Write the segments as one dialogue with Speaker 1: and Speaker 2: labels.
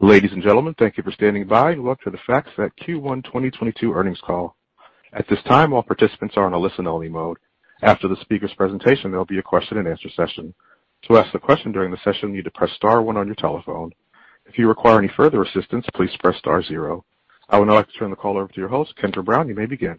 Speaker 1: Ladies and gentlemen, thank you for standing by. Welcome to the FactSet Q1 2022 earnings call. At this time, all participants are in a listen-only mode. After the speaker's presentation, there'll be a question-and-answer session. To ask the question during the session, you need to press star one on your telephone. If you require any further assistance, please press star zero. I would now like to turn the call over to your host, Kendra Brown. You may begin.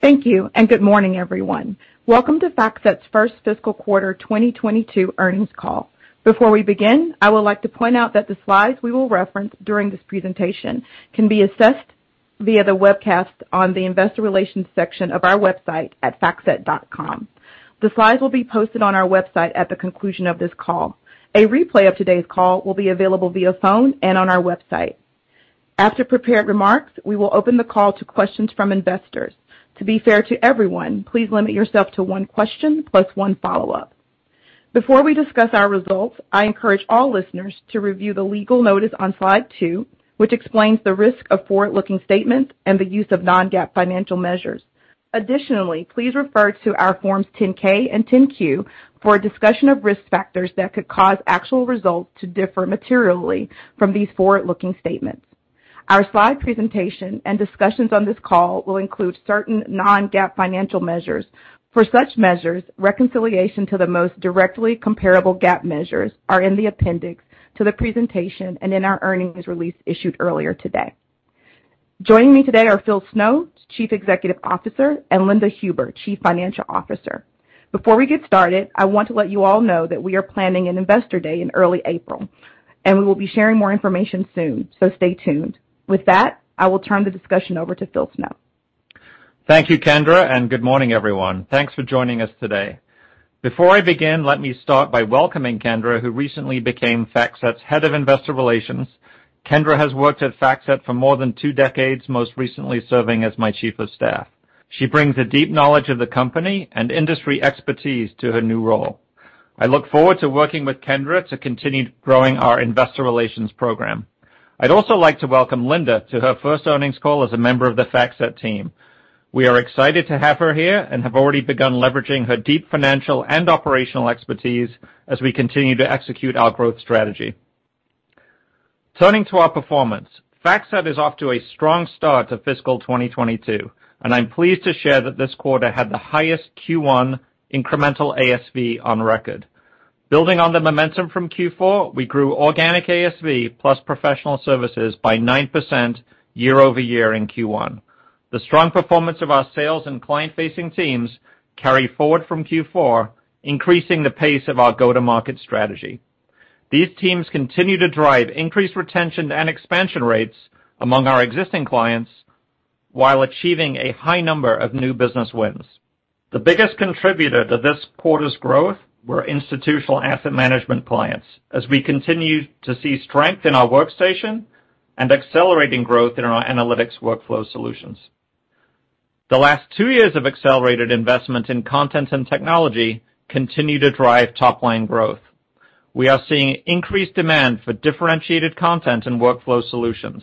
Speaker 2: Thank you, and good morning, everyone. Welcome to FactSet's first fiscal quarter 2022 earnings call. Before we begin, I would like to point out that the slides we will reference during this presentation can be accessed via the webcast on the investor relations section of our website at factset.com. The slides will be posted on our website at the conclusion of this call. A replay of today's call will be available via phone and on our website. After prepared remarks, we will open the call to questions from investors. To be fair to everyone, please limit yourself to one question plus one follow-up. Before we discuss our results, I encourage all listeners to review the legal notice on slide two, which explains the risk of forward-looking statements and the use of non-GAAP financial measures. Additionally, please refer to our Forms 10-K and 10-Q for a discussion of risk factors that could cause actual results to differ materially from these forward-looking statements. Our slide presentation and discussions on this call will include certain non-GAAP financial measures. For such measures, reconciliation to the most directly comparable GAAP measures are in the appendix to the presentation and in our earnings release issued earlier today. Joining me today are Phil Snow, Chief Executive Officer, and Linda Huber, Chief Financial Officer. Before we get started, I want to let you all know that we are planning an investor day in early April, and we will be sharing more information soon, so stay tuned. With that, I will turn the discussion over to Phil Snow.
Speaker 3: Thank you, Kendra, and good morning, everyone. Thanks for joining us today. Before I begin, let me start by welcoming Kendra, who recently became FactSet's Head of Investor Relations. Kendra has worked at FactSet for more than two decades, most recently serving as my chief of staff. She brings a deep knowledge of the company and industry expertise to her new role. I look forward to working with Kendra to continue growing our investor relations program. I'd also like to welcome Linda to her first earnings call as a member of the FactSet team. We are excited to have her here and have already begun leveraging her deep financial and operational expertise as we continue to execute our growth strategy. Turning to our performance, FactSet is off to a strong start to fiscal 2022, and I'm pleased to share that this quarter had the highest Q1 incremental ASV on record. Building on the momentum from Q4, we grew organic ASV plus professional services by 9% year-over-year in Q1. The strong performance of our sales and client-facing teams carry forward from Q4, increasing the pace of our go-to-market strategy. These teams continue to drive increased retention and expansion rates among our existing clients while achieving a high number of new business wins. The biggest contributor to this quarter's growth were institutional asset management clients, as we continue to see strength in our workstation and accelerating growth in our analytics workflow solutions. The last two years of accelerated investment in content and technology continue to drive top-line growth. We are seeing increased demand for differentiated content and workflow solutions.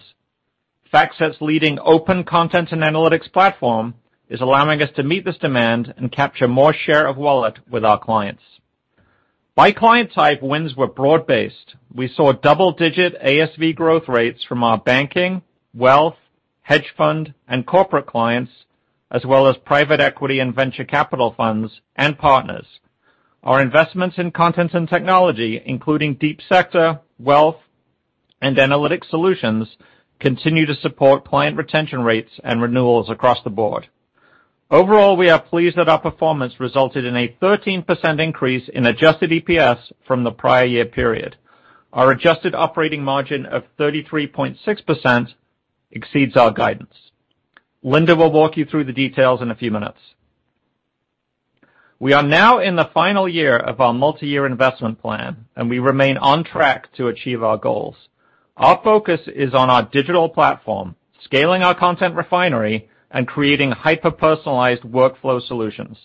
Speaker 3: FactSet's leading open content and analytics platform is allowing us to meet this demand and capture more share of wallet with our clients. By client type, wins were broad-based. We saw double-digit ASV growth rates from our banking, wealth, hedge fund, and corporate clients, as well as private equity and venture capital funds and partners. Our investments in content and technology, including deep sector, Wealth, and Analytics Solutions, continue to support client retention rates and renewals across the board. Overall, we are pleased that our performance resulted in a 13% increase in adjusted EPS from the prior year period. Our adjusted operating margin of 33.6% exceeds our guidance. Linda will walk you through the details in a few minutes. We are now in the final year of our multi-year investment plan, and we remain on track to achieve our goals. Our focus is on our digital platform, scaling our content refinery, and creating hyper-personalized workflow solutions.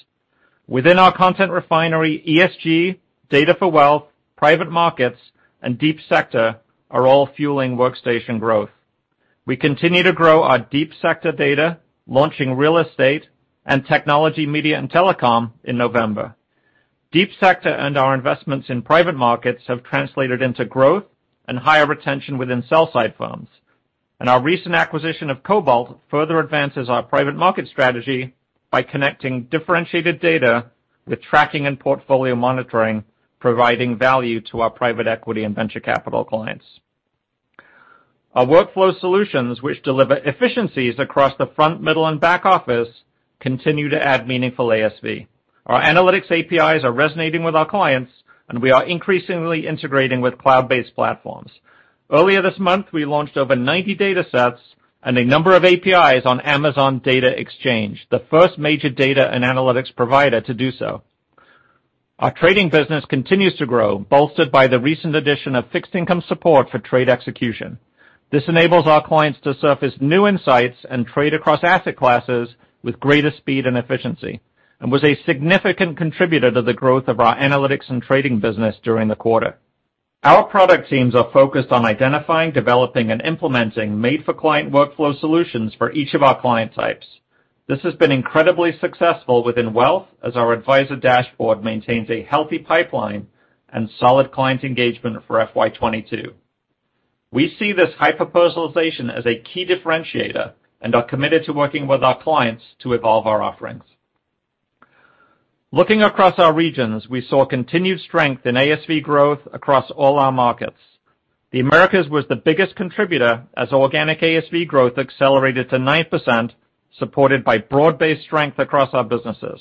Speaker 3: Within our content refinery, ESG, Data for Wealth, Private Markets, and deep sector are all fueling workstation growth. We continue to grow our deep sector data, launching real estate and technology, media, and telecom in November. deep sector and our investments in private markets have translated into growth and higher retention within sell-side firms. Our recent acquisition of Cobalt further advances our private market strategy by connecting differentiated data with tracking and portfolio monitoring, providing value to our private equity and venture capital clients. Our workflow solutions, which deliver efficiencies across the front, middle, and back office, continue to add meaningful ASV. Our analytics APIs are resonating with our clients, and we are increasingly integrating with cloud-based platforms. Earlier this month, we launched over 90 datasets and a number of APIs on AWS Data Exchange, the first major data and analytics provider to do so. Our trading business continues to grow, bolstered by the recent addition of fixed income support for trade execution. This enables our clients to surface new insights and trade across asset classes with greater speed and efficiency, and was a significant contributor to the growth of our analytics and trading business during the quarter. Our product teams are focused on identifying, developing, and implementing made-for-client workflow solutions for each of our client types. This has been incredibly successful within wealth as our Advisor Dashboard maintains a healthy pipeline and solid client engagement for FY 2022. We see this hyper-personalization as a key differentiator, and are committed to working with our clients to evolve our offerings. Looking across our regions, we saw continued strength in ASV growth across all our markets. The Americas was the biggest contributor as organic ASV growth accelerated to 9%, supported by broad-based strength across our businesses.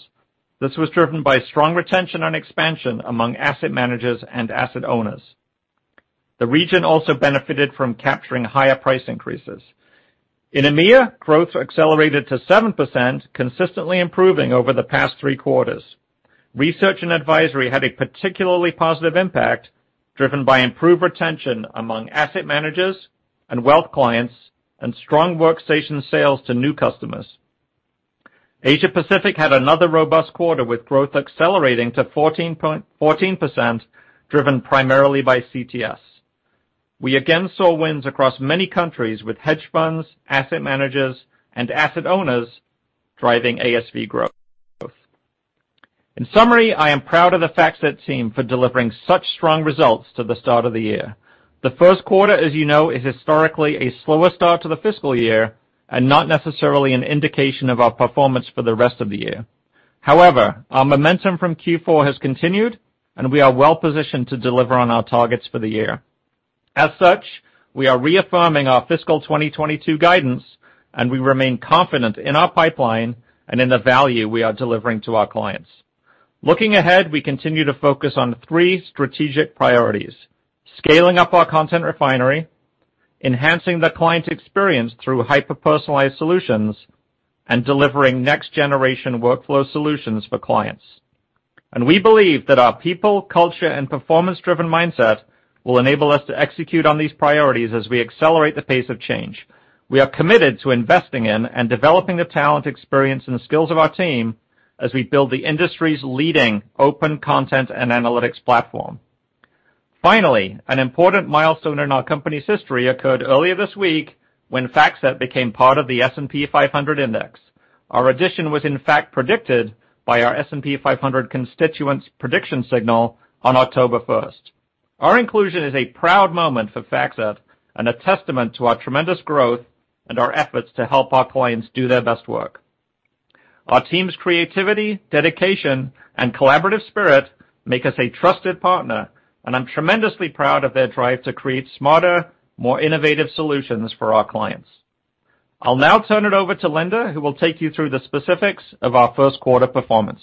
Speaker 3: This was driven by strong retention and expansion among asset managers and asset owners. The region also benefited from capturing higher price increases. In EMEA, growth accelerated to 7%, consistently improving over the past 3 quarters. Research and advisory had a particularly positive impact, driven by improved retention among asset managers and wealth clients, and strong workstation sales to new customers. Asia Pacific had another robust quarter, with growth accelerating to 14%, driven primarily by CTS. We again saw wins across many countries with hedge funds, asset managers, and asset owners driving ASV growth. In summary, I am proud of the FactSet team for delivering such strong results to the start of the year. The Q1, as you know, is historically a slower start to the fiscal year, and not necessarily an indication of our performance for the rest of the year. However, our momentum from Q4 has continued, and we are well-positioned to deliver on our targets for the year. As such, we are reaffirming our fiscal 2022 guidance, and we remain confident in our pipeline and in the value we are delivering to our clients. Looking ahead, we continue to focus on three strategic priorities, scaling up our content refinery, enhancing the client experience through hyper-personalized solutions, and delivering next-generation workflow solutions for clients. We believe that our people, culture, and performance-driven mindset will enable us to execute on these priorities as we accelerate the pace of change. We are committed to investing in and developing the talent, experience, and skills of our team as we build the industry's leading open content and analytics platform. Finally, an important milestone in our company's history occurred earlier this week when FactSet became part of the S&P 500 index. Our addition was in fact predicted by our S&P 500 constituents prediction signal on October 1. Our inclusion is a proud moment for FactSet, and a testament to our tremendous growth and our efforts to help our clients do their best work. Our team's creativity, dedication, and collaborative spirit make us a trusted partner, and I'm tremendously proud of their drive to create smarter, more innovative solutions for our clients. I'll now turn it over to Linda, who will take you through the specifics of our Q1 performance.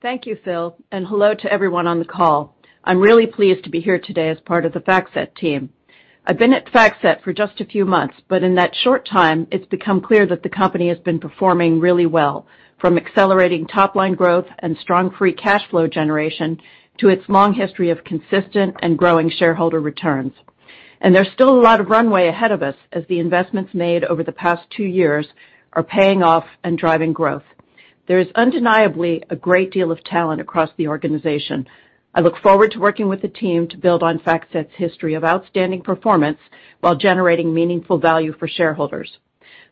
Speaker 4: Thank you, Phil, and hello to everyone on the call. I'm really pleased to be here today as part of the FactSet team. I've been at FactSet for just a few months, but in that short time, it's become clear that the company has been performing really well, from accelerating top-line growth and strong free cash flow generation to its long history of consistent and growing shareholder returns. There's still a lot of runway ahead of us as the investments made over the past two years are paying off and driving growth. There is undeniably a great deal of talent across the organization. I look forward to working with the team to build on FactSet's history of outstanding performance while generating meaningful value for shareholders.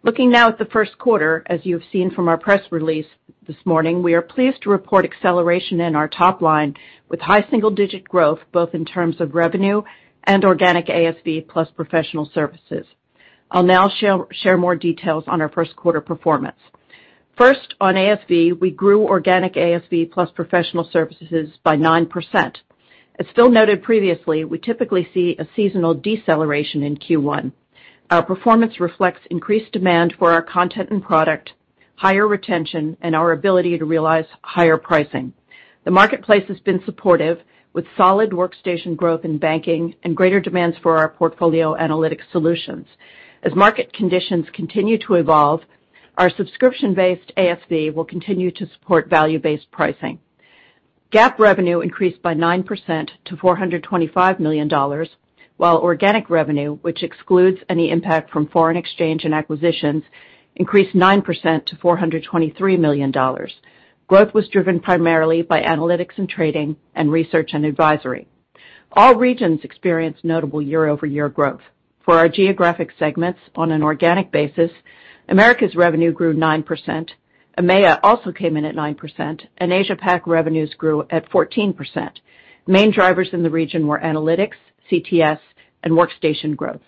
Speaker 4: Looking now at the Q1, as you have seen from our press release this morning, we are pleased to report acceleration in our top line with high single-digit growth, both in terms of revenue and organic ASV plus professional services. I'll now share more details on our Q1 performance. First, on ASV, we grew organic ASV plus professional services by 9%. As Phil noted previously, we typically see a seasonal deceleration in Q1. Our performance reflects increased demand for our content and product, higher retention, and our ability to realize higher pricing. The marketplace has been supportive, with solid workstation growth in banking and greater demands for our portfolio analytics solutions. As market conditions continue to evolve, our subscription-based ASV will continue to support value-based pricing. GAAP revenue increased by 9% to $425 million, while organic revenue, which excludes any impact from foreign exchange and acquisitions, increased 9% to $423 million. Growth was driven primarily by analytics and trading and research and advisory. All regions experienced notable year-over-year growth. For our geographic segments, on an organic basis, Americas revenue grew 9%, EMEA also came in at 9%, and Asia PAC revenues grew at 14%. Main drivers in the region were analytics, CTS, and workstation growth.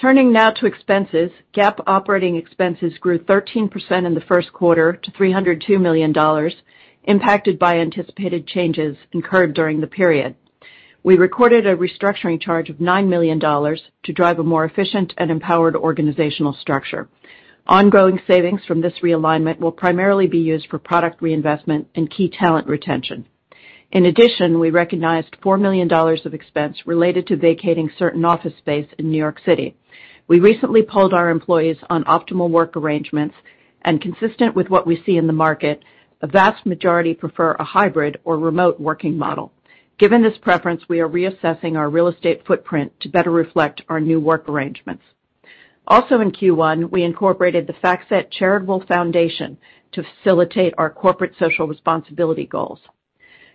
Speaker 4: Turning now to expenses, GAAP operating expenses grew 13% in the Q1 to $302 million, impacted by anticipated changes incurred during the period. We recorded a restructuring charge of $9 million to drive a more efficient and empowered organizational structure. Ongoing savings from this realignment will primarily be used for product reinvestment and key talent retention. In addition, we recognized $4 million of expense related to vacating certain office space in New York City. We recently polled our employees on optimal work arrangements, and consistent with what we see in the market, a vast majority prefer a hybrid or remote working model. Given this preference, we are reassessing our real estate footprint to better reflect our new work arrangements. Also in Q1, we incorporated the FactSet Charitable Foundation to facilitate our corporate social responsibility goals.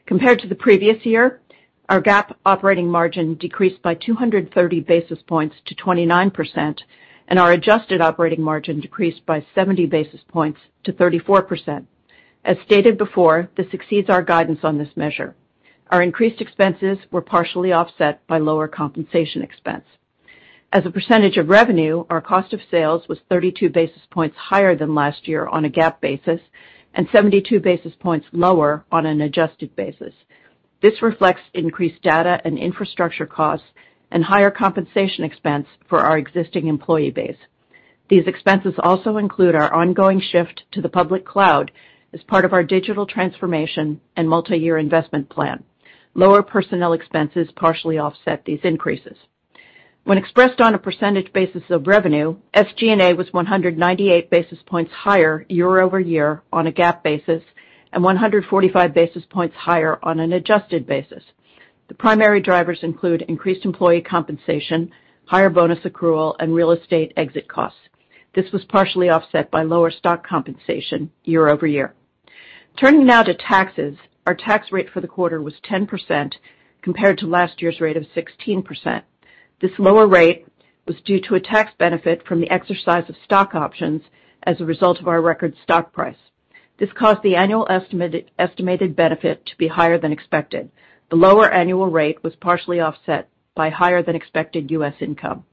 Speaker 4: Compared to the previous year, our GAAP operating margin decreased by 230 basis points to 29%, and our adjusted operating margin decreased by 70 basis points to 34%. As stated before, this exceeds our guidance on this measure. Our increased expenses were partially offset by lower compensation expense. As a percentage of revenue, our cost of sales was 32 basis points higher than last year on a GAAP basis, and 72 basis points lower on an adjusted basis. This reflects increased data and infrastructure costs and higher compensation expense for our existing employee base. These expenses also include our ongoing shift to the public cloud as part of our digital transformation and multi-year investment plan. Lower personnel expenses partially offset these increases. When expressed on a percentage basis of revenue, SG&A was 198 basis points higher year-over-year on a GAAP basis, and 145 basis points higher on an adjusted basis. The primary drivers include increased employee compensation, higher bonus accrual and real estate exit costs. This was partially offset by lower stock compensation year-over-year. Turning now to taxes. Our tax rate for the quarter was 10% compared to last year's rate of 16%. This lower rate was due to a tax benefit from the exercise of stock options as a result of our record stock price. This caused the annual estimated benefit to be higher than expected. The lower annual rate was partially offset by higher than expected U.S. income.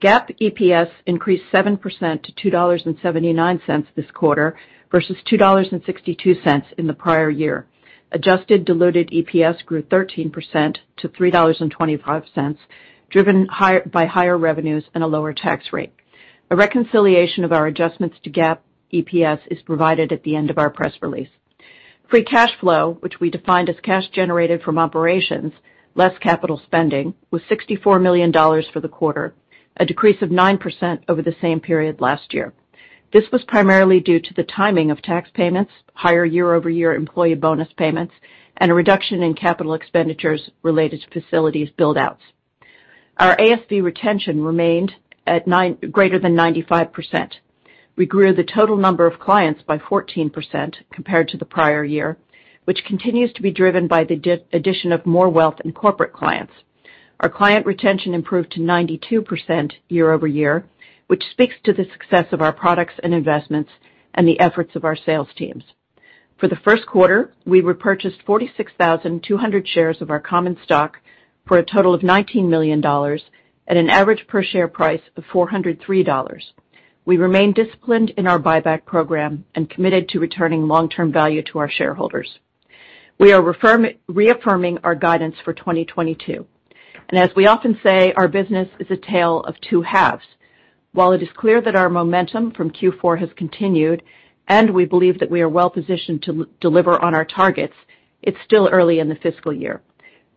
Speaker 4: GAAP EPS increased 7% to $2.79 this quarter versus $2.62 in the prior year. Adjusted diluted EPS grew 13% to $3.25, driven by higher revenues and a lower tax rate. A reconciliation of our adjustments to GAAP EPS is provided at the end of our press release. Free cash flow, which we defined as cash generated from operations less capital spending, was $64 million for the quarter, a decrease of 9% over the same period last year. This was primarily due to the timing of tax payments, higher year-over-year employee bonus payments, and a reduction in capital expenditures related to facilities buildouts. Our ASV retention remained at greater than 95%. We grew the total number of clients by 14% compared to the prior year, which continues to be driven by the addition of more wealth in corporate clients. Our client retention improved to 92% year-over-year, which speaks to the success of our products and investments and the efforts of our sales teams. For the Q1, we repurchased 46,200 shares of our common stock for a total of $19 million at an average per share price of $403. We remain disciplined in our buyback program and committed to returning long-term value to our shareholders. We are reaffirming our guidance for 2022. As we often say, our business is a tale of two halves. While it is clear that our momentum from Q4 has continued, and we believe that we are well positioned to deliver on our targets, it's still early in the fiscal year.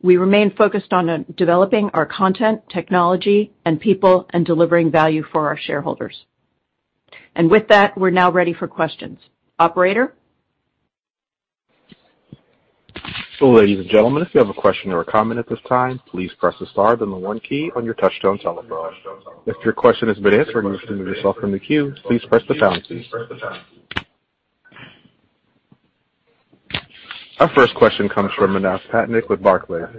Speaker 4: We remain focused on developing our content, technology, and people, and delivering value for our shareholders. With that, we're now ready for questions. Operator?
Speaker 1: Ladies and gentlemen, if you have a question or a comment at this time, please press the star, then the one key on your touchtone telephone. If your question has been answered and you wish to remove yourself from the queue, please press the pound key. Our first question comes from Manav Patnaik with Barclays.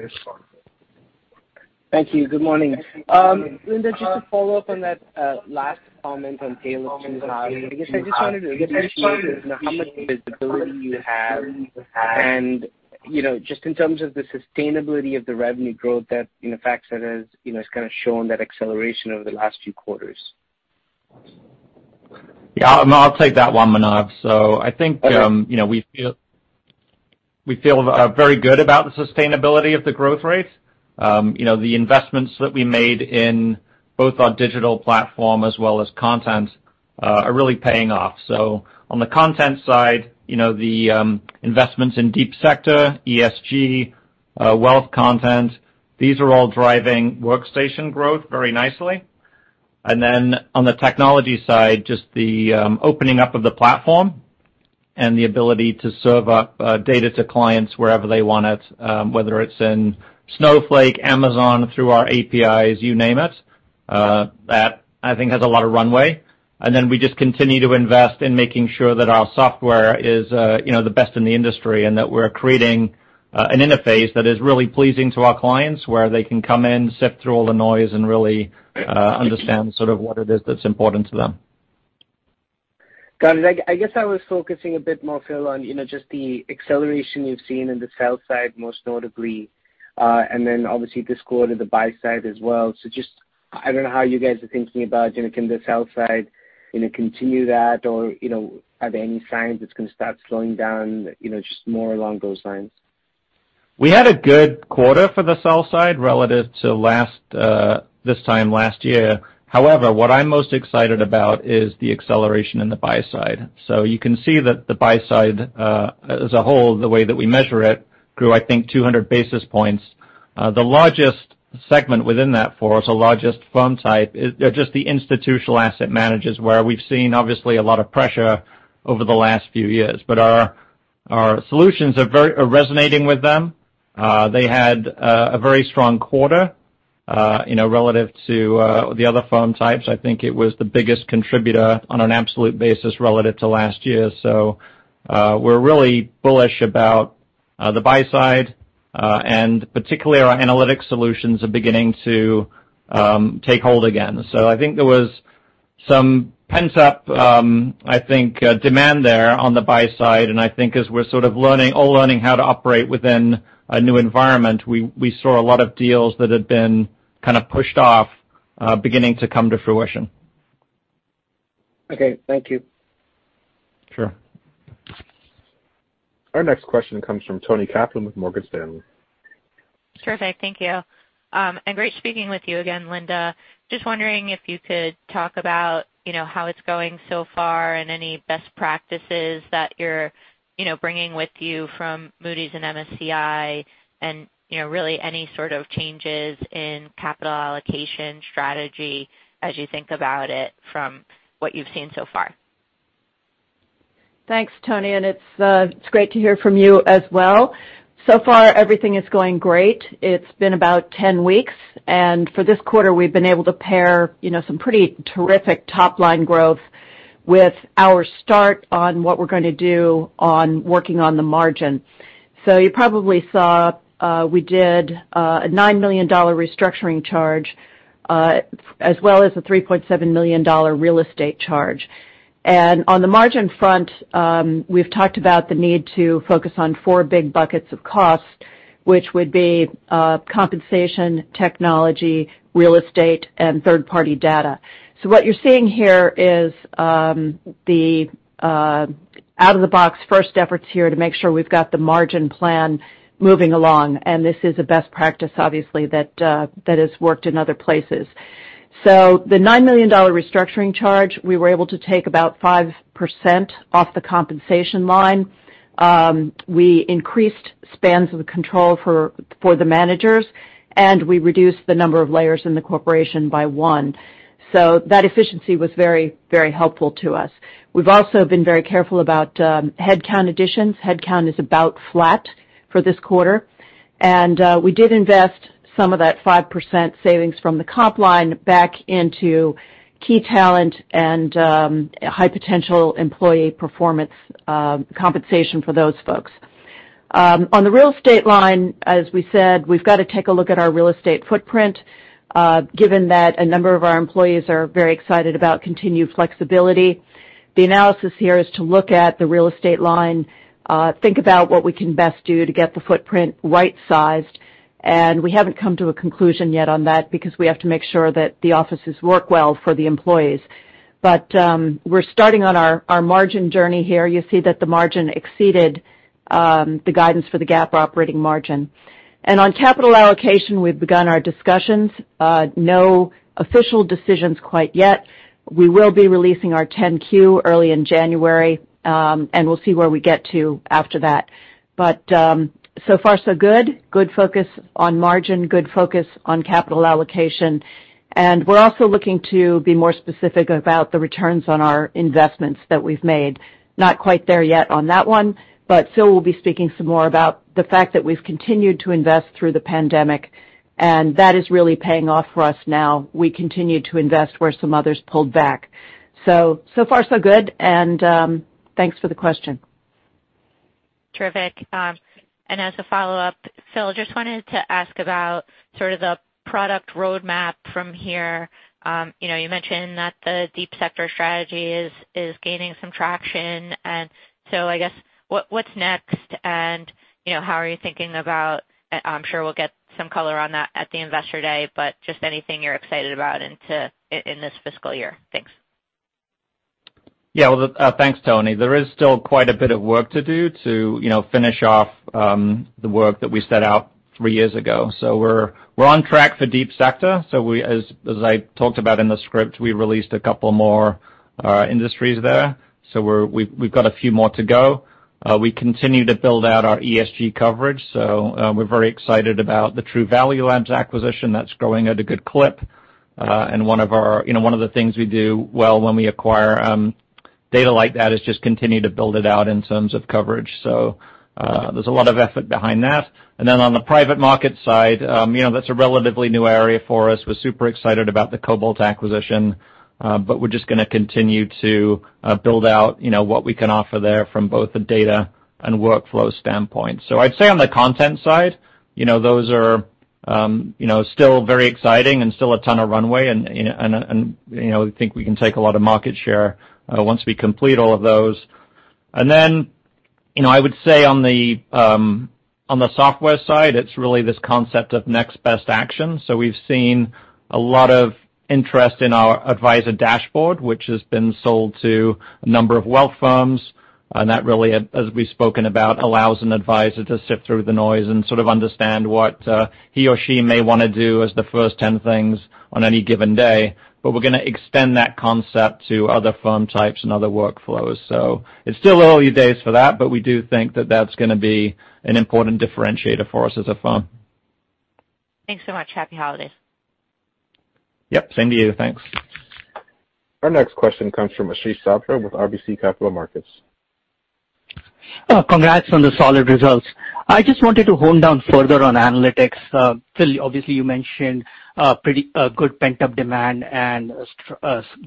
Speaker 5: Thank you. Good morning. Linda, just to follow up on that last comment on tale of two halves. I guess I just wanted to get a sense of how much visibility you have and, you know, just in terms of the sustainability of the revenue growth that, you know, FactSet has, you know, has kinda shown that acceleration over the last few quarters.
Speaker 4: Yeah, Manav, I'll take that one, Manav. I think
Speaker 5: Okay.
Speaker 4: You know, we feel very good about the sustainability of the growth rate. You know, the investments that we made in both our digital platform as well as content are really paying off. On the content side, you know, the investments in deep sector, ESG, wealth content, these are all driving workstation growth very nicely. Then on the technology side, just the opening up of the platform and the ability to serve up data to clients wherever they want it, whether it's in Snowflake, Amazon, through our APIs, you name it, that I think has a lot of runway. We just continue to invest in making sure that our software is, you know, the best in the industry, and that we're creating an interface that is really pleasing to our clients, where they can come in, sift through all the noise and really understand sort of what it is that's important to them.
Speaker 5: Got it. I guess I was focusing a bit more, Phil, on you know just the acceleration you've seen in the sell side, most notably, and then obviously this quarter, the buy side as well. Just, I don't know how you guys are thinking about you know can the sell side you know continue that or you know are there any signs it's gonna start slowing down? You know just more along those lines.
Speaker 4: We had a good quarter for the sell side relative to last, this time last year. However, what I'm most excited about is the acceleration in the buy side. You can see that the buy side, as a whole, the way that we measure it, grew, I think, 200 basis points. The largest segment within that for us, the largest fund type is just the institutional asset managers, where we've seen obviously a lot of pressure over the last few years. Our solutions are resonating with them. They had a very strong quarter, you know, relative to the other fund types. I think it was the biggest contributor on an absolute basis relative to last year. We're really bullish about the buy side, and particularly our analytics solutions are beginning to take hold again. I think there was some pent-up demand there on the buy side, and I think as we're all sort of learning how to operate within a new environment, we saw a lot of deals that had been kind of pushed off, beginning to come to fruition.
Speaker 1: Okay, thank you.
Speaker 4: Sure.
Speaker 1: Our next question comes from Toni Kaplan with Morgan Stanley.
Speaker 6: Terrific. Thank you. Great speaking with you again, Linda. Just wondering if you could talk about, you know, how it's going so far and any best practices that you're, you know, bringing with you from Moody's and MSCI and, you know, really any sort of changes in capital allocation strategy as you think about it from what you've seen so far.
Speaker 4: Thanks, Toni, and it's great to hear from you as well. So far, everything is going great. It's been about 10 weeks, and for this quarter, we've been able to pair, you know, some pretty terrific top-line growth with our start on what we're gonna do on working on the margin. You probably saw we did a $9 million restructuring charge, as well as a $3.7 million real estate charge. On the margin front, we've talked about the need to focus on four big buckets of costs, which would be compensation, technology, real estate, and third-party data. What you're seeing here is the out-of-the-box first efforts here to make sure we've got the margin plan moving along, and this is a best practice, obviously, that has worked in other places. The $9 million restructuring charge, we were able to take about 5% off the compensation line. We increased spans of control for the managers, and we reduced the number of layers in the corporation by 1. That efficiency was very, very helpful to us. We've also been very careful about headcount additions. Headcount is about flat for this quarter. We did invest some of that 5% savings from the comp line back into key talent and high potential employee performance compensation for those folks. On the real estate line, as we said, we've got to take a look at our real estate footprint, given that a number of our employees are very excited about continued flexibility. The analysis here is to look at the real estate line, think about what we can best do to get the footprint right-sized, and we haven't come to a conclusion yet on that because we have to make sure that the offices work well for the employees. We're starting on our margin journey here. You see that the margin exceeded the guidance for the GAAP operating margin. On capital allocation, we've begun our discussions. No official decisions quite yet. We will be releasing our 10-Q early in January, and we'll see where we get to after that. So far so good. Good focus on margin, good focus on capital allocation. We're also looking to be more specific about the returns on our investments that we've made. Not quite there yet on that one, but Phil will be speaking some more about the fact that we've continued to invest through the pandemic, and that is really paying off for us now. We continued to invest where some others pulled back. so far so good, and, thanks for the question.
Speaker 7: Terrific. As a follow-up, Phil, just wanted to ask about sort of the product roadmap from here. You know, you mentioned that the deep sector strategy is gaining some traction. I guess what's next? You know, how are you thinking about. I'm sure we'll get some color on that at the Investor Day, but just anything you're excited about in this fiscal year. Thanks.
Speaker 3: Yeah. Well, thanks, Toni. There is still quite a bit of work to do to, you know, finish off the work that we set out three years ago. We're on track for deep sector. As I talked about in the script, we released a couple more industries there. We've got a few more to go. We continue to build out our ESG coverage. We're very excited about the Truvalue Labs acquisition. That's growing at a good clip. One of our, you know, one of the things we do well when we acquire data like that is just continue to build it out in terms of coverage. There's a lot of effort behind that. Then on the private market side, you know, that's a relatively new area for us.
Speaker 6: We're super excited about the Cobalt acquisition, but we're just gonna continue to build out, you know, what we can offer there from both the data and workflow standpoint. I'd say on the content side, you know, those are still very exciting and still a ton of runway, you know, we think we can take a lot of market share once we complete all of those. I would say on the software side, it's really this concept of next best action. We've seen a lot of interest in our Advisor Dashboard, which has been sold to a number of wealth firms. that really, as we've spoken about, allows an advisor to sift through the noise and sort of understand what, he or she may wanna do as the first 10 things on any given day. We're gonna extend that concept to other firm types and other workflows. It's still early days for that, but we do think that that's gonna be an important differentiator for us as a firm.
Speaker 4: Thanks so much. Happy holidays.
Speaker 6: Yep, same to you. Thanks.
Speaker 1: Our next question comes from Ashish Sabadra with RBC Capital Markets.
Speaker 8: Congrats on the solid results. I just wanted to hone down further on analytics. Phil, obviously, you mentioned pretty good pent-up demand and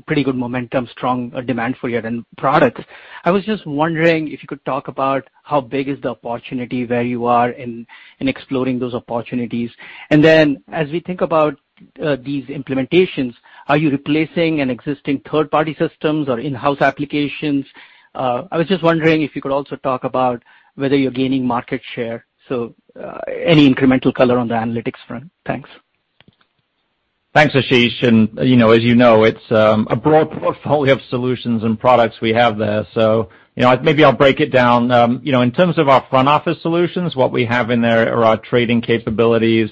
Speaker 8: pretty good momentum, strong demand for your end product. I was just wondering if you could talk about how big is the opportunity, where you are in exploring those opportunities. Then as we think about these implementations, are you replacing an existing third-party systems or in-house applications? I was just wondering if you could also talk about whether you're gaining market share. Any incremental color on the analytics front. Thanks.
Speaker 3: Thanks, Ashish. You know, as you know, it's a broad portfolio of solutions and products we have there. You know, maybe I'll break it down. You know, in terms of our front office solutions, what we have in there are our trading capabilities,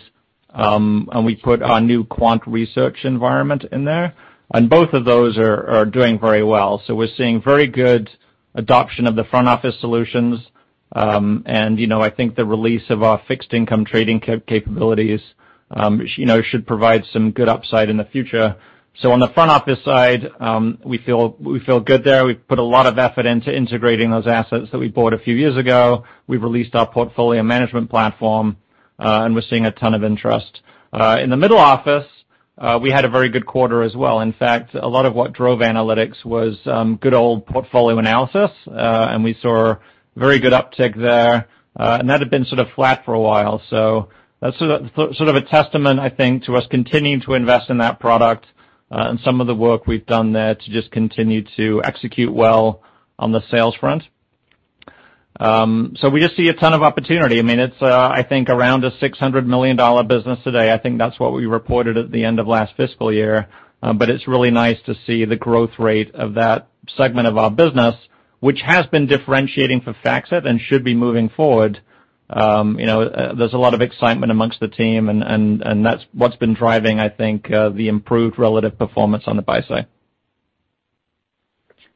Speaker 3: and we put our new quant research environment in there, and both of those are doing very well. We're seeing very good adoption of the front office solutions. You know, I think the release of our fixed income trading capabilities you know should provide some good upside in the future. On the front office side, we feel good there. We've put a lot of effort into integrating those assets that we bought a few years ago. We've released our portfolio management platform, and we're seeing a ton of interest. In the middle office, we had a very good quarter as well. In fact, a lot of what drove analytics was good old portfolio analysis, and we saw very good uptick there. That had been sort of flat for a while. That's sort of a testament, I think, to us continuing to invest in that product, and some of the work we've done there to just continue to execute well on the sales front. We just see a ton of opportunity. I mean, it's, I think, around a $600 million business today. I think that's what we reported at the end of last fiscal year. It's really nice to see the growth rate of that segment of our business, which has been differentiating for FactSet and should be moving forward. You know, there's a lot of excitement among the team and that's what's been driving, I think, the improved relative performance on the buy side.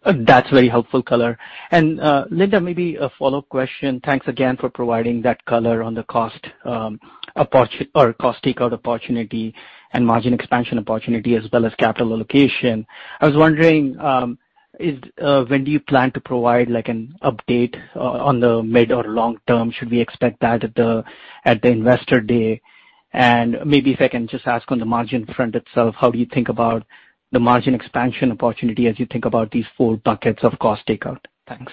Speaker 8: That's very helpful color. Linda, maybe a follow-up question. Thanks again for providing that color on the cost or cost takeout opportunity and margin expansion opportunity as well as capital allocation. I was wondering, when do you plan to provide like an update on the mid or long term? Should we expect that at the Investor Day? Maybe if I can just ask on the margin front itself, how do you think about the margin expansion opportunity as you think about these four buckets of cost takeout? Thanks.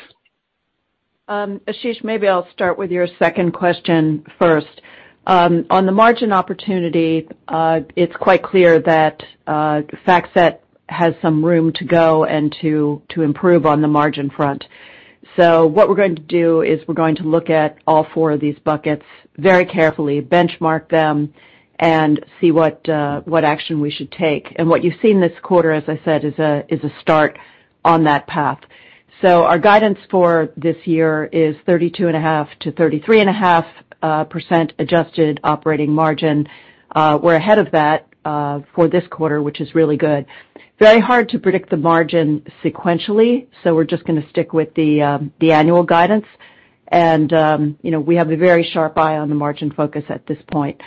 Speaker 4: Ashish, maybe I'll start with your second question first. On the margin opportunity, it's quite clear that FactSet has some room to go and to improve on the margin front. What we're going to do is we're going to look at all four of these buckets very carefully, benchmark them, and see what action we should take. What you've seen this quarter, as I said, is a start on that path. Our guidance for this year is 32.5%-33.5% adjusted operating margin. We're ahead of that for this quarter, which is really good. Very hard to predict the margin sequentially, we're just gonna stick with the annual guidance. You know, we have a very sharp eye on the margin focus at this point.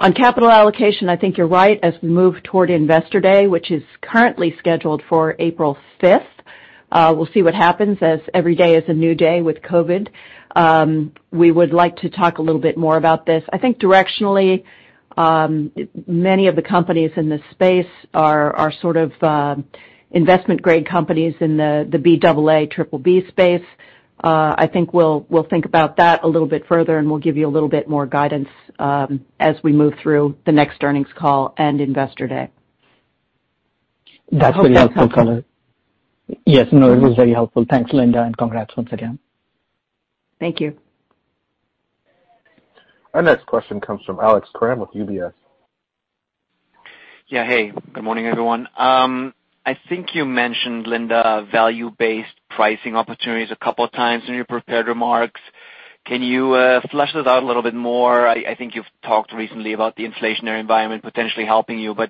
Speaker 4: On capital allocation, I think you're right. As we move toward Investor Day, which is currently scheduled for April 5, we'll see what happens as every day is a new day with COVID. We would like to talk a little bit more about this. I think directionally, many of the companies in this space are sort of investment-grade companies in the Baa, BBB space. I think we'll think about that a little bit further, and we'll give you a little bit more guidance as we move through the next earnings call and Investor Day.
Speaker 8: That's very helpful color.
Speaker 4: Hope that helps.
Speaker 8: Yes, no, it was very helpful. Thanks, Linda, and congrats once again.
Speaker 4: Thank you.
Speaker 1: Our next question comes from Alex Kramm with UBS.
Speaker 9: Hey, good morning, everyone. I think you mentioned, Linda, value-based pricing opportunities a couple of times in your prepared remarks. Can you flesh this out a little bit more? I think you've talked recently about the inflationary environment potentially helping you. You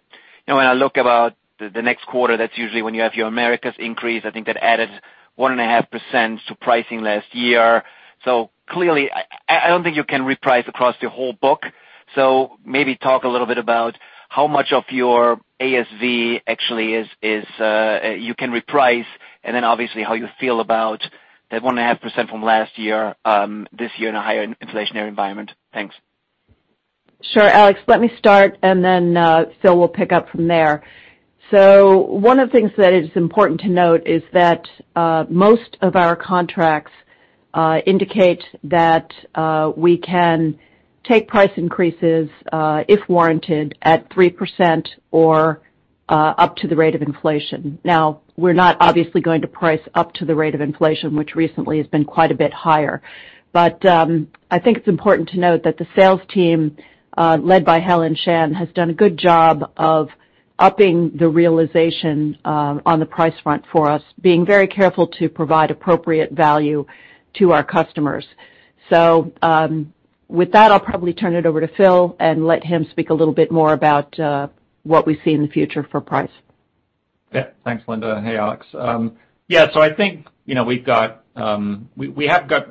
Speaker 9: know, when I look at the next quarter, that's usually when you have your Americas increase. I think that added 1.5% to pricing last year. Clearly, I don't think you can reprice across your whole book. Maybe talk a little bit about how much of your ASV actually is you can reprice, and then obviously how you feel about that 1.5% from last year this year in a higher inflationary environment. Thanks.
Speaker 4: Sure, Alex. Let me start, and then Phil will pick up from there. One of the things that is important to note is that most of our contracts indicate that we can take price increases if warranted, at 3% or up to the rate of inflation. Now, we're not obviously going to price up to the rate of inflation, which recently has been quite a bit higher. I think it's important to note that the sales team led by Helen Shan has done a good job of upping the realization on the price front for us, being very careful to provide appropriate value to our customers. With that, I'll probably turn it over to Phil and let him speak a little bit more about what we see in the future for price.
Speaker 3: Yeah. Thanks, Linda. Hey, Alex. Yeah, so I think, you know, we've got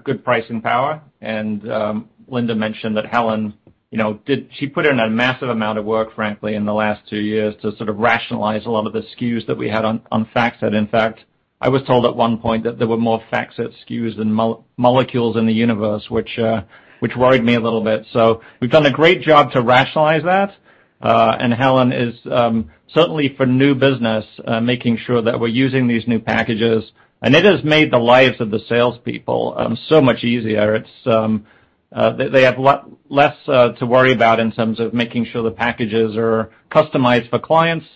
Speaker 3: good pricing power, and Linda mentioned that Helen. You know, she put in a massive amount of work, frankly, in the last two years to sort of rationalize a lot of the SKUs that we had on FactSet. In fact, I was told at one point that there were more FactSet SKUs than molecules in the universe, which worried me a little bit. We've done a great job to rationalize that, and Helen is certainly for new business making sure that we're using these new packages, and it has made the lives of the salespeople so much easier. It's they have a lot less to worry about in terms of making sure the packages are customized for clients.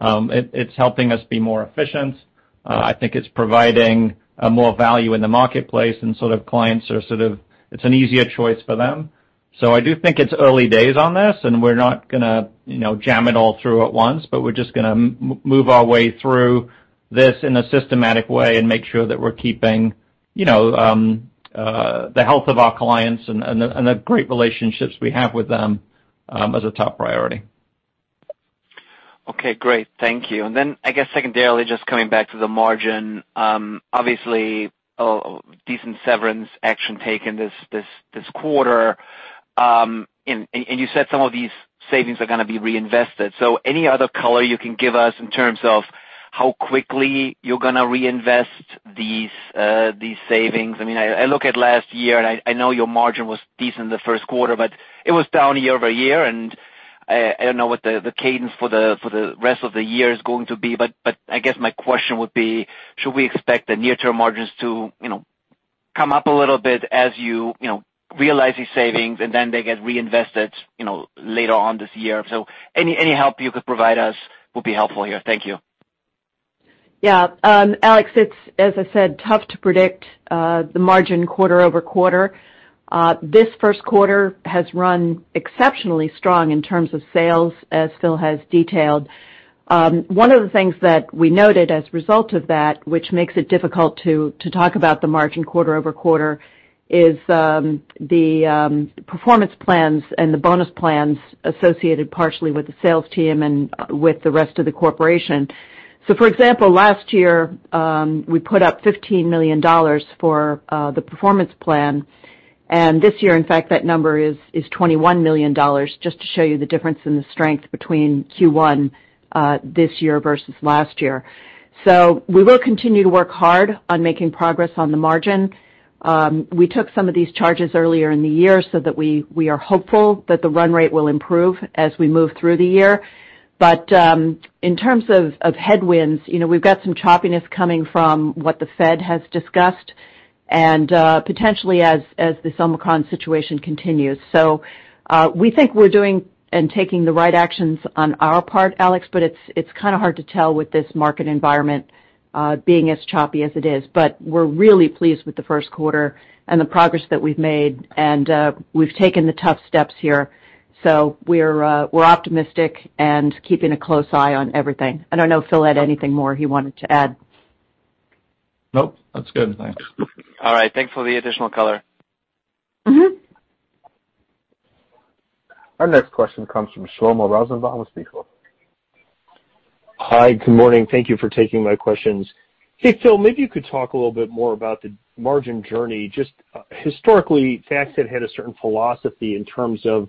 Speaker 3: It's helping us be more efficient. I think it's providing more value in the marketplace, and it's an easier choice for them. I do think it's early days on this, and we're not gonna, you know, jam it all through at once, but we're just gonna move our way through this in a systematic way and make sure that we're keeping, you know, the health of our clients and the great relationships we have with them, as a top priority.
Speaker 9: Okay, great. Thank you. I guess secondarily, just coming back to the margin, obviously, a decent severance action taken this quarter. You said some of these savings are gonna be reinvested. Any other color you can give us in terms of how quickly you're gonna reinvest these savings? I mean, I look at last year, I know your margin was decent in the Q1, but it was down year-over-year, I don't know what the cadence for the rest of the year is going to be, but I guess my question would be, should we expect the near-term margins to, you know, come up a little bit as you know, realize these savings and then they get reinvested, you know, later on this year? Any help you could provide us will be helpful here. Thank you.
Speaker 4: Yeah. Alex, it's, as I said, tough to predict the margin quarter-over-quarter. This Q1 has run exceptionally strong in terms of sales, as Phil has detailed. One of the things that we noted as a result of that, which makes it difficult to talk about the margin quarter-over-quarter is the performance plans and the bonus plans associated partially with the sales team and with the rest of the corporation. For example, last year we put up $15 million for the performance plan, and this year, in fact, that number is $21 million, just to show you the difference in the strength between Q1 this year versus last year. We will continue to work hard on making progress on the margin. We took some of these charges earlier in the year so that we are hopeful that the run rate will improve as we move through the year. In terms of headwinds, you know, we've got some choppiness coming from what the Fed has discussed and potentially as this Omicron situation continues. We think we're doing and taking the right actions on our part, Alex, but it's kinda hard to tell with this market environment being as choppy as it is. We're really pleased with the Q1 and the progress that we've made, and we've taken the tough steps here. We're optimistic and keeping a close eye on everything. I don't know if Phil had anything more he wanted to add.
Speaker 3: Nope. That's good. Thanks.
Speaker 9: All right. Thanks for the additional color.
Speaker 4: Mm-hmm.
Speaker 1: Our next question comes from Shlomo Rosenbaum with B. Riley.
Speaker 10: Hi. Good morning. Thank you for taking my questions. Hey, Phil, maybe you could talk a little bit more about the margin journey. Just, historically, FactSet had a certain philosophy in terms of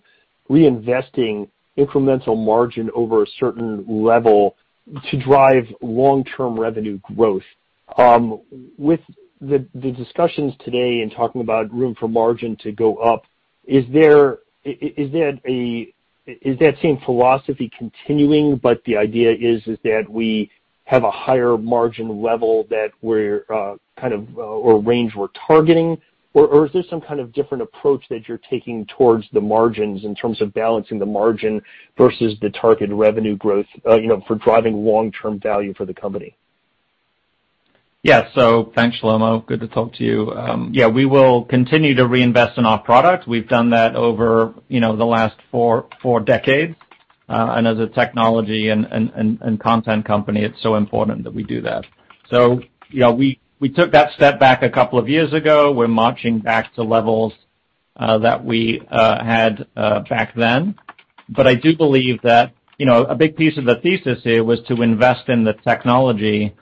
Speaker 10: reinvesting incremental margin over a certain level to drive long-term revenue growth. With the discussions today in talking about room for margin to go up, is there, is that same philosophy continuing, but the idea is that we have a higher margin level that we're kind of or range we're targeting? Or is this some kind of different approach that you're taking towards the margins in terms of balancing the margin versus the targeted revenue growth, you know, for driving long-term value for the company?
Speaker 3: Yeah. Thanks, Shlomo. Good to talk to you. Yeah, we will continue to reinvest in our product. We've done that over, you know, the last four decades. As a technology and content company, it's so important that we do that. You know, we took that step back a couple of years ago. We're marching back to levels that we had back then. I do believe that, you know, a big piece of the thesis here was to invest in the technology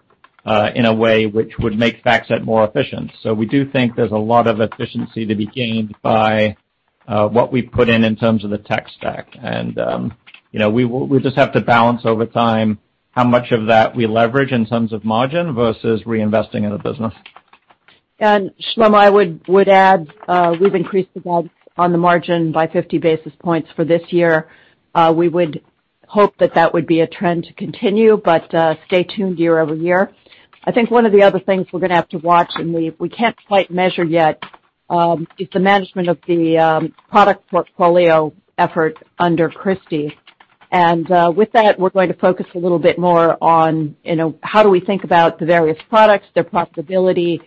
Speaker 3: in a way which would make FactSet more efficient. We do think there's a lot of efficiency to be gained by what we put in in terms of the tech stack. You know, we just have to balance over time how much of that we leverage in terms of margin versus reinvesting in the business.
Speaker 4: Shlomo, I would add, we've increased the bets on the margin by 50 basis points for this year. We would hope that would be a trend to continue, but stay tuned year over year. I think one of the other things we're gonna have to watch, and we can't quite measure yet, is the management of the product portfolio effort under Christie. With that, we're going to focus a little bit more on, you know, how do we think about the various products, their profitability,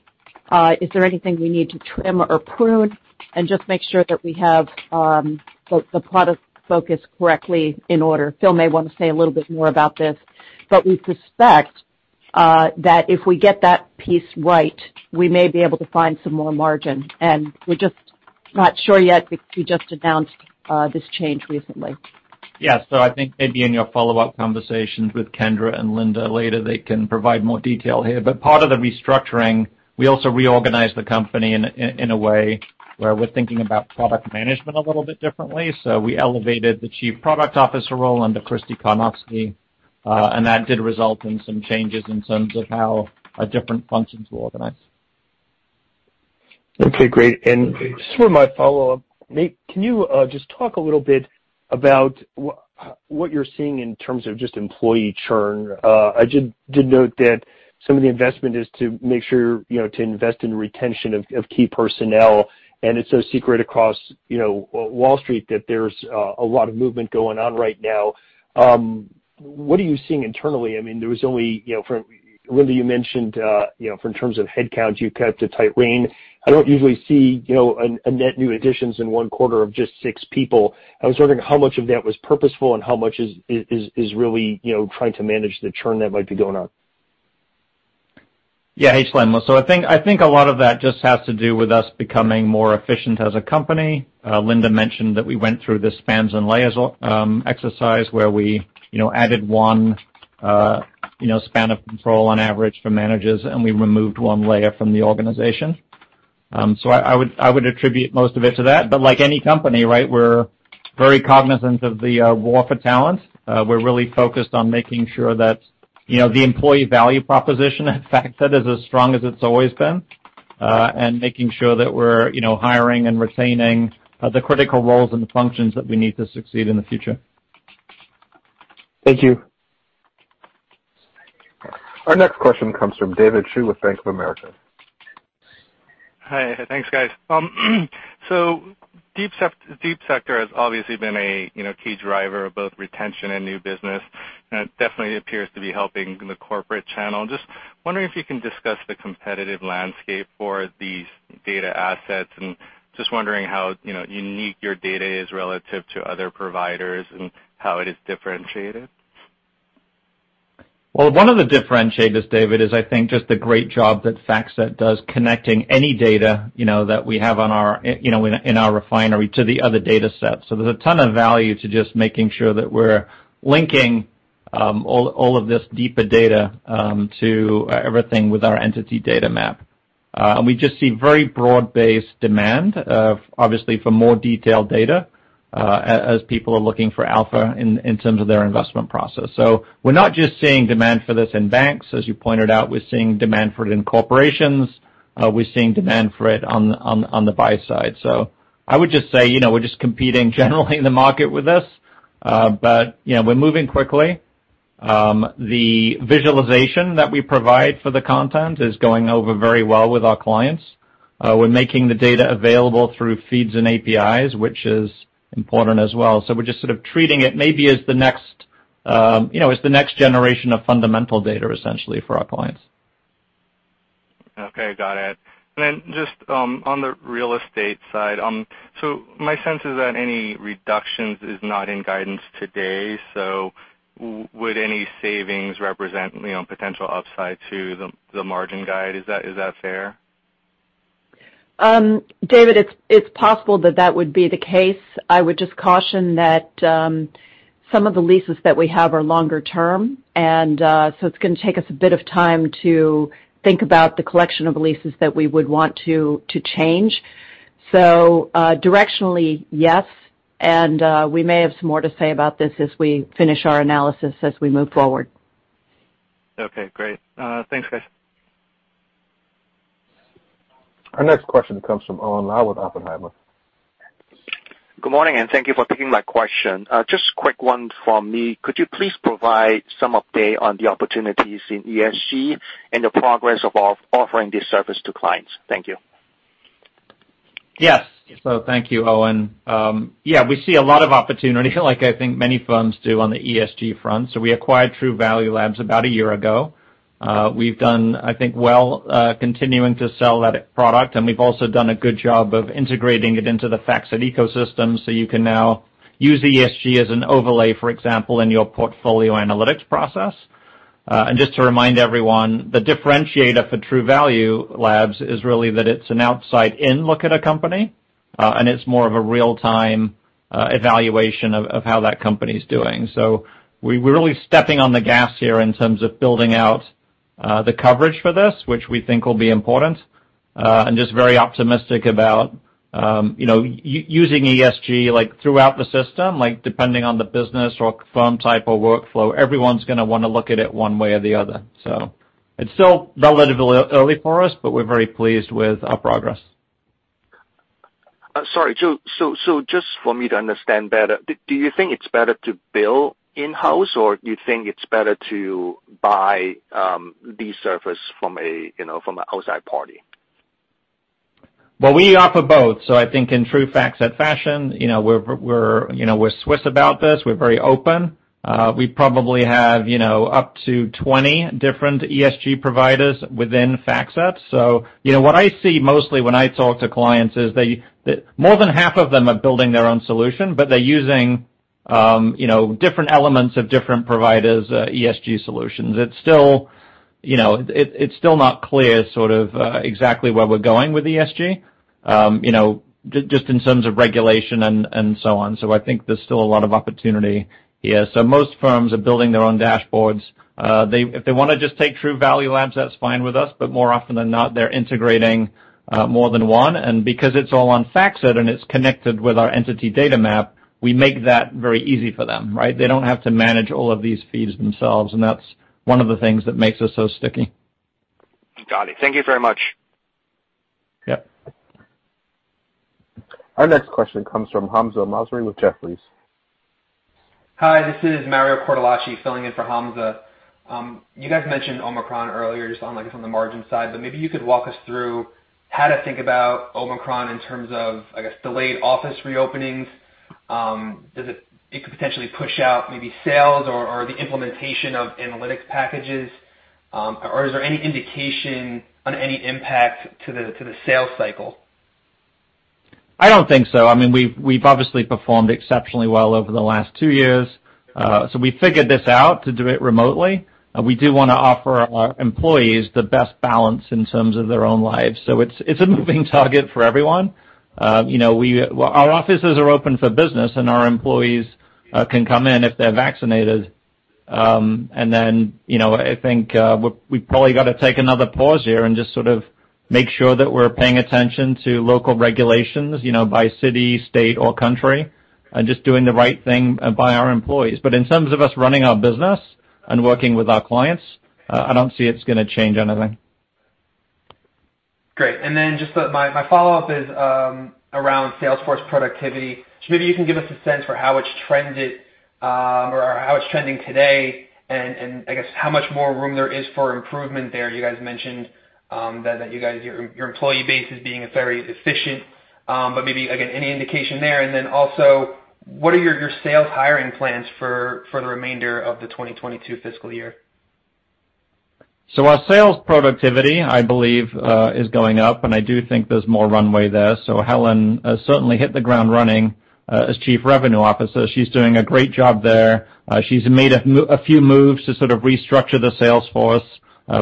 Speaker 4: is there anything we need to trim or prune, and just make sure that we have the product focus correctly in order. Phil may wanna say a little bit more about this, but we suspect that if we get that piece right, we may be able to find some more margin. We're just not sure yet because we just announced this change recently.
Speaker 3: Yes. I think maybe in your follow-up conversations with Kendra and Linda later, they can provide more detail here. Part of the restructuring, we also reorganized the company in a way where we're thinking about product management a little bit differently. We elevated the Chief Product Officer role under Kristina Karnovsky, and that did result in some changes in terms of how different functions were organized.
Speaker 10: Okay, great. Just for my follow-up, Shlomo, can you just talk a little bit about what you're seeing in terms of just employee churn? I did note that some of the investment is to make sure, you know, to invest in retention of key personnel, and it's no secret across, you know, Wall Street that there's a lot of movement going on right now. What are you seeing internally? I mean, there was only, you know, from Linda, you mentioned, you know, in terms of headcounts, you kept a tight rein. I don't usually see, you know, a net new additions in one quarter of just six people. I was wondering how much of that was purposeful, and how much is really, you know, trying to manage the churn that might be going on.
Speaker 3: Yeah. Hey, Glen. I think a lot of that just has to do with us becoming more efficient as a company. Linda mentioned that we went through the spans and layers exercise, where we, you know, added one span of control on average for managers, and we removed one layer from the organization. I would attribute most of it to that. Like any company, right, we're very cognizant of the war for talent. We're really focused on making sure that, you know, the employee value proposition at FactSet is as strong as it's always been, and making sure that we're, you know, hiring and retaining the critical roles and the functions that we need to succeed in the future.
Speaker 10: Thank you.
Speaker 1: Our next question comes from David Hsu with Bank of America.
Speaker 11: Hi. Thanks, guys. Deep Sector has obviously been a, you know, key driver of both retention and new business, and it definitely appears to be helping the corporate channel. Just wondering if you can discuss the competitive landscape for these data assets, and just wondering how, you know, unique your data is relative to other providers and how it is differentiated.
Speaker 3: Well, one of the differentiators, David, is I think just the great job that FactSet does connecting any data, you know, that we have in our refinery to the other datasets. There's a ton of value to just making sure that we're linking all of this deeper data to everything with our entity data map. We just see very broad-based demand, obviously for more detailed data, as people are looking for alpha in terms of their investment process. We're not just seeing demand for this in banks, as you pointed out. We're seeing demand for it in corporations. We're seeing demand for it on the buy side. I would just say, you know, we're just competing generally in the market with this. You know, we're moving quickly. The visualization that we provide for the content is going over very well with our clients. We're making the data available through feeds and APIs, which is important as well. We're just sort of treating it maybe as the next generation of fundamental data, essentially, for our clients.
Speaker 11: Okay, got it. Just on the real estate side, so my sense is that any reductions is not in guidance today, so would any savings represent, you know, potential upside to the margin guide? Is that fair?
Speaker 4: David, it's possible that would be the case. I would just caution that some of the leases that we have are longer term, and so it's gonna take us a bit of time to think about the collection of leases that we would want to change. Directionally, yes, and we may have some more to say about this as we finish our analysis as we move forward.
Speaker 11: Okay, great. Thanks, guys.
Speaker 1: Our next question comes from Owen Lau with Oppenheimer.
Speaker 12: Good morning, and thank you for taking my question. Just a quick one from me. Could you please provide some update on the opportunities in ESG and the progress of offering this service to clients? Thank you.
Speaker 3: Yes. Thank you, Owen. Yeah, we see a lot of opportunity, like I think many firms do, on the ESG front, so we acquired Truvalue Labs about a year ago. We've done, I think, well continuing to sell that product, and we've also done a good job of integrating it into the FactSet ecosystem, so you can now use ESG as an overlay, for example, in your portfolio analytics process. Just to remind everyone, the differentiator for Truvalue Labs is really that it's an outside-in look at a company, and it's more of a real-time evaluation of how that company's doing. We're really stepping on the gas here in terms of building out the coverage for this, which we think will be important, and just very optimistic about, you know, using ESG, like, throughout the system, like, depending on the business or firm type or workflow. Everyone's gonna wanna look at it one way or the other. It's still relatively early for us, but we're very pleased with our progress.
Speaker 12: Sorry. Just for me to understand better, do you think it's better to build in-house, or do you think it's better to buy the service from a, you know, from an outside party?
Speaker 3: Well, we offer both, so I think in true FactSet fashion, you know, we're Swiss about this. We're very open. We probably have, you know, up to 20 different ESG providers within FactSet. You know, what I see mostly when I talk to clients is that more than half of them are building their own solution, but they're using, you know, different elements of different providers, ESG solutions. It's still, you know, it's still not clear sort of exactly where we're going with ESG. You know, just in terms of regulation and so on. I think there's still a lot of opportunity here. Most firms are building their own dashboards. If they wanna just take Truvalue Labs, that's fine with us, but more often than not, they're integrating more than one. Because it's all on FactSet and it's connected with our entity data map, we make that very easy for them, right? They don't have to manage all of these feeds themselves, and that's one of the things that makes us so sticky.
Speaker 8: Got it. Thank you very much.
Speaker 3: Yeah.
Speaker 1: Our next question comes from Hamzah Mazari with Jefferies.
Speaker 13: Hi, this is Mario Cortellacci filling in for Hamzah Mazari. You guys mentioned Omicron earlier just on, like, on the margin side, but maybe you could walk us through how to think about Omicron in terms of, I guess, delayed office reopenings. It could potentially push out maybe sales or the implementation of analytics packages, or is there any indication on any impact to the sales cycle?
Speaker 3: I don't think so. I mean, we've obviously performed exceptionally well over the last two years, so we figured this out to do it remotely. We do wanna offer our employees the best balance in terms of their own lives. It's a moving target for everyone. Our offices are open for business and our employees can come in if they're vaccinated. I think we probably gotta take another pause here and just sort of make sure that we're paying attention to local regulations, you know, by city, state or country, and just doing the right thing by our employees. In terms of us running our business and working with our clients, I don't see it's gonna change anything.
Speaker 13: Great. Just my follow-up is around sales force productivity. Maybe you can give us a sense for how it's trended or how it's trending today and I guess how much more room there is for improvement there. You guys mentioned that you guys your employee base is being very efficient. Maybe, again, any indication there. What are your sales hiring plans for the remainder of the 2022 fiscal year?
Speaker 3: Our sales productivity, I believe, is going up, and I do think there's more runway there. Helen has certainly hit the ground running as Chief Revenue Officer. She's doing a great job there. She's made a few moves to sort of restructure the sales force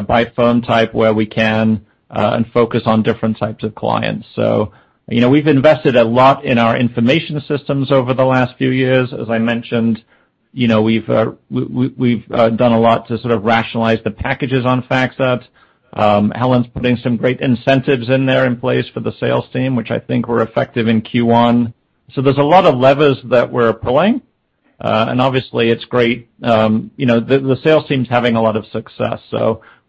Speaker 3: by client type where we can and focus on different types of clients. You know, we've invested a lot in our information systems over the last few years. As I mentioned, you know, we've done a lot to sort of rationalize the packages on FactSet. Helen's putting some great incentives in place for the sales team, which I think were effective in Q1. There's a lot of levers that we're pulling, and obviously it's great. You know, the sales team's having a lot of success.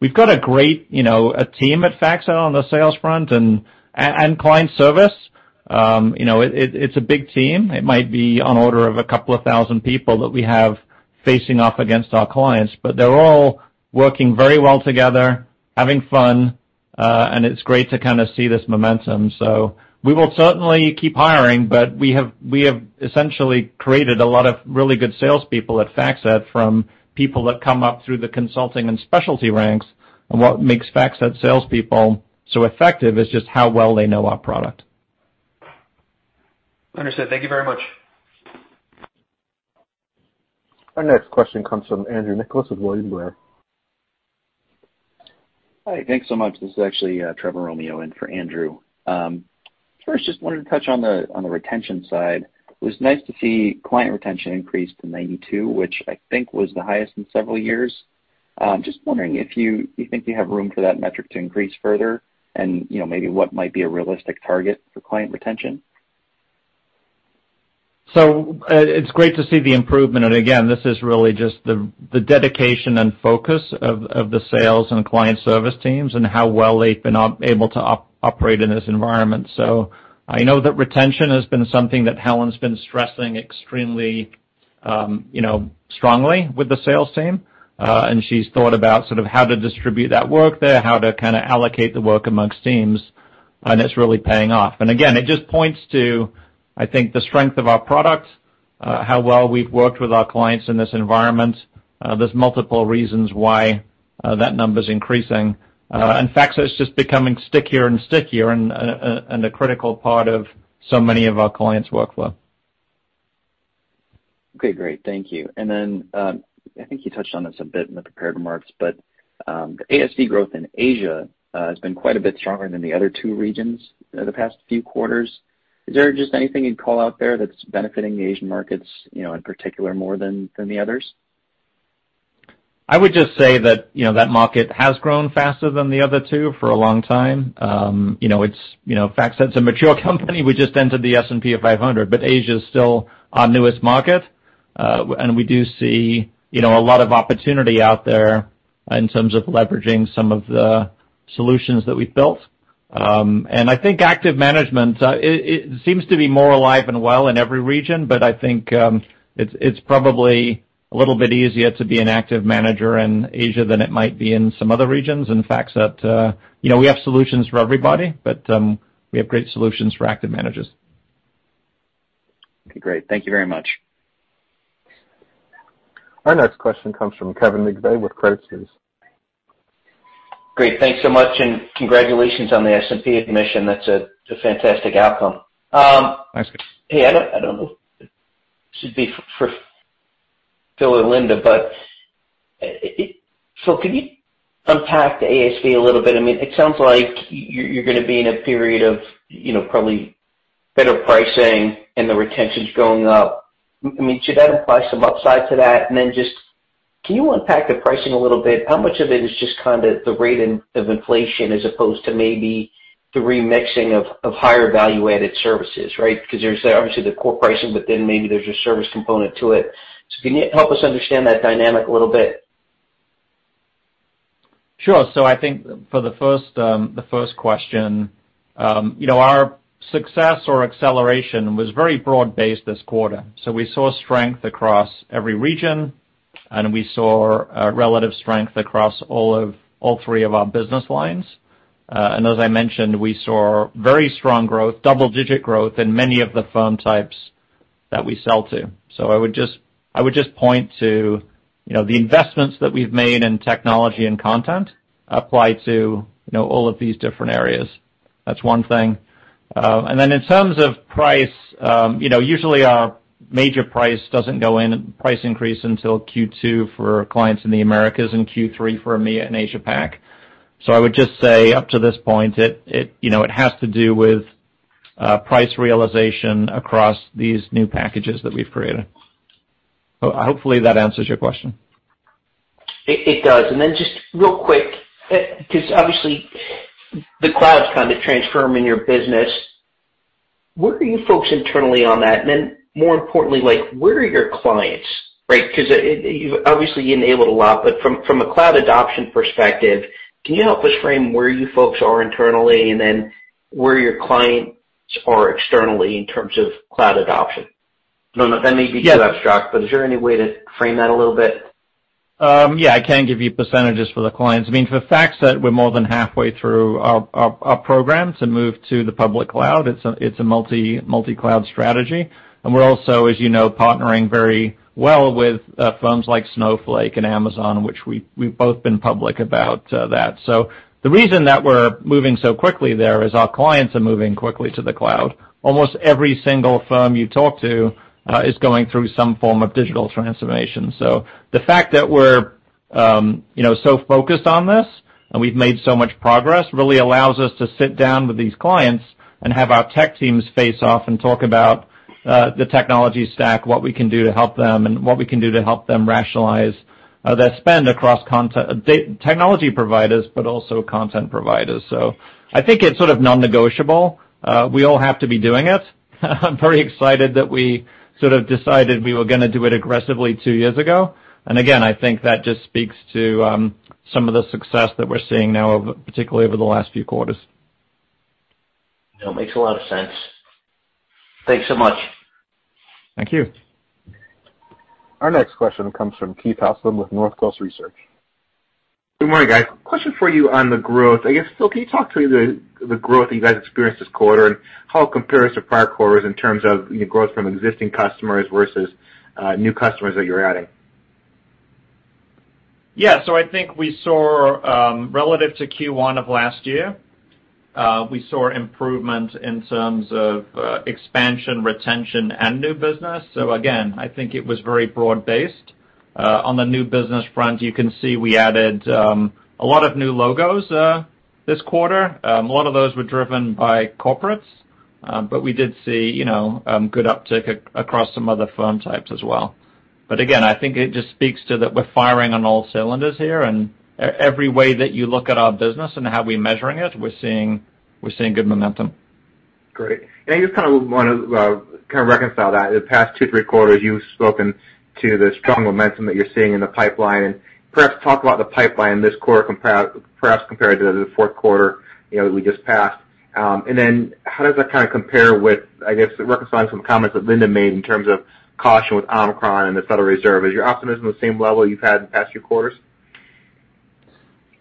Speaker 3: We've got a great, you know, a team at FactSet on the sales front and client service. You know, it's a big team. It might be on the order of a couple of thousand people that we have facing off against our clients, but they're all working very well together, having fun, and it's great to kinda see this momentum. We will certainly keep hiring, but we have essentially created a lot of really good salespeople at FactSet from people that come up through the consulting and specialty ranks. What makes FactSet salespeople so effective is just how well they know our product.
Speaker 13: Understood. Thank you very much.
Speaker 1: Our next question comes from Andrew Nicholas with William Blair.
Speaker 14: Hi. Thanks so much. This is actually Trevor Romeo in for Andrew. First, just wanted to touch on the retention side. It was nice to see client retention increase to 92%, which I think was the highest in several years. Just wondering if you think you have room for that metric to increase further and, you know, maybe what might be a realistic target for client retention.
Speaker 3: It's great to see the improvement. Again, this is really just the dedication and focus of the sales and client service teams and how well they've been able to operate in this environment. I know that retention has been something that Helen's been stressing extremely, you know, strongly with the sales team, and she's thought about sort of how to distribute that work there, how to kinda allocate the work among teams, and it's really paying off. Again, it just points to, I think, the strength of our products, how well we've worked with our clients in this environment. There's multiple reasons why that number's increasing. FactSet's just becoming stickier and stickier and a critical part of so many of our clients' workflow.
Speaker 14: Okay, great. Thank you. Then, I think you touched on this a bit in the prepared remarks, but the ASV growth in Asia has been quite a bit stronger than the other two regions the past few quarters. Is there just anything you'd call out there that's benefiting the Asian markets, you know, in particular more than the others?
Speaker 3: I would just say that, you know, that market has grown faster than the other two for a long time. You know, it's FactSet's a mature company. We just entered the S&P 500, but Asia is still our newest market, and we do see, you know, a lot of opportunity out there in terms of leveraging some of the solutions that we've built. I think active management, it seems to be more alive and well in every region, but I think, it's probably a little bit easier to be an active manager in Asia than it might be in some other regions. FactSet, we have solutions for everybody, but we have great solutions for active managers.
Speaker 14: Okay, great. Thank you very much.
Speaker 1: Our next question comes from Kevin McVeigh with Credit Suisse.
Speaker 15: Great. Thanks so much, and congratulations on the S&P admission. That's a fantastic outcome.
Speaker 3: Thanks.
Speaker 15: Hey, I don't know if this should be for Phil and Linda, but Phil, could you unpack the ASV a little bit? I mean, it sounds like you're gonna be in a period of, you know, probably better pricing and the retention's going up. Meantime, should that imply some upside to that? Then just can you unpack the pricing a little bit? How much of it is just kinda the rate of inflation as opposed to maybe the remixing of higher value-added services, right? Because there's obviously the core pricing, but then maybe there's a service component to it. So can you help us understand that dynamic a little bit?
Speaker 3: Sure. I think for the first question, you know, our success or acceleration was very broad-based this quarter. We saw strength across every region, and we saw a relative strength across all three of our business lines. And as I mentioned, we saw very strong growth, double-digit growth in many of the firm types that we sell to. I would just point to, you know, the investments that we've made in technology and content apply to, you know, all of these different areas. That's one thing. And then in terms of price, you know, usually our major price doesn't go in price increase until Q2 for clients in the Americas and Q3 for EMEA and Asia Pac. I would just say up to this point, it, you know, it has to do with price realization across these new packages that we've created. Hopefully that answers your question.
Speaker 15: It does. Just real quick, 'cause obviously the cloud's kind of transforming your business. Where are you folks internally on that? More importantly, like, where are your clients, right? 'Cause, you've obviously enabled a lot, but from a cloud adoption perspective, can you help us frame where you folks are internally and then where your clients are externally in terms of cloud adoption? I don't know if that may be too abstract, but is there any way to frame that a little bit?
Speaker 3: Yeah, I can give you percentages for the clients. I mean, for the fact that we're more than halfway through our program to move to the public cloud, it's a multi-cloud strategy. We're also, as you know, partnering very well with firms like Snowflake and Amazon, which we've both been public about, that. The reason that we're moving so quickly there is our clients are moving quickly to the cloud. Almost every single firm you talk to is going through some form of digital transformation. The fact that we're, you know, so focused on this and we've made so much progress, really allows us to sit down with these clients and have our tech teams face off and talk about the technology stack, what we can do to help them, and what we can do to help them rationalize their spend across technology providers, but also content providers. I think it's sort of non-negotiable. We all have to be doing it. I'm very excited that we sort of decided we were gonna do it aggressively two years ago. I think that just speaks to some of the success that we're seeing now, particularly over the last few quarters.
Speaker 15: No, it makes a lot of sense. Thanks so much.
Speaker 3: Thank you.
Speaker 1: Our next question comes from Keith Housum with Northcoast Research.
Speaker 16: Good morning, guys. Question for you on the growth. I guess, Phil, can you talk through the growth that you guys experienced this quarter and how it compares to prior quarters in terms of, you know, growth from existing customers versus new customers that you're adding?
Speaker 3: Yeah. I think we saw, relative to Q1 of last year, we saw improvement in terms of, expansion, retention, and new business. Again, I think it was very broad-based. On the new business front, you can see we added, a lot of new logos, this quarter. A lot of those were driven by corporates, but we did see, you know, good uptick across some other firm types as well. Again, I think it just speaks to that we're firing on all cylinders here, and every way that you look at our business and how we're measuring it, we're seeing good momentum.
Speaker 16: Great. I just kind of wanna kind of reconcile that. In the past two, three quarters, you've spoken to the strong momentum that you're seeing in the pipeline. Perhaps talk about the pipeline this quarter compared to the Q4 that we just passed. Then how does that kinda compare with, I guess, reconciling some comments that Linda made in terms of caution with Omicron and the Federal Reserve? Is your optimism the same level you've had in the past few quarters?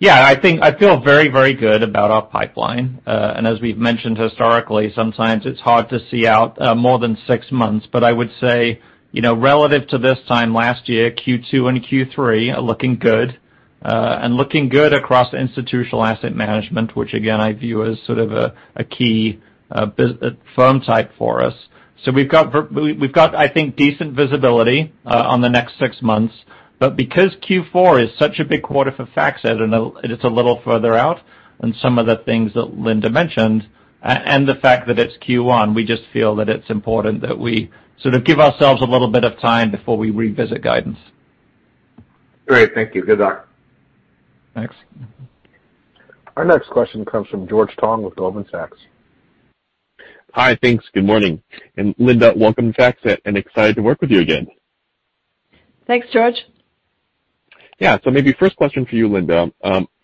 Speaker 3: Yeah. I think I feel very, very good about our pipeline. As we've mentioned historically, sometimes it's hard to see out more than six months. I would say, you know, relative to this time last year, Q2 and Q3 are looking good, and looking good across institutional asset management, which again, I view as sort of a key buy-side firm type for us. We've got, I think, decent visibility on the next six months. Because Q4 is such a big quarter for FactSet, and it is a little further out than some of the things that Linda mentioned, and the fact that it's Q1, we just feel that it's important that we sort of give ourselves a little bit of time before we revisit guidance.
Speaker 16: Great. Thank you. Good luck.
Speaker 3: Thanks.
Speaker 1: Our next question comes from George Tong with Goldman Sachs.
Speaker 17: Hi. Thanks. Good morning. Linda, welcome to FactSet, and I'm excited to work with you again.
Speaker 4: Thanks, George.
Speaker 17: Maybe first question for you, Linda.